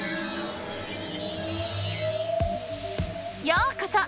ようこそ！